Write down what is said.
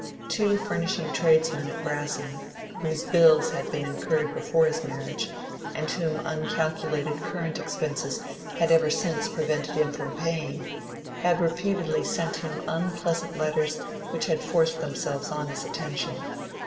Two furnishing tradesmen at Brassing, whose bills had been incurred before his marriage, and whom uncalculated current expenses had ever since prevented him from paying, had repeatedly sent him unpleasant letters which had forced themselves on his attention.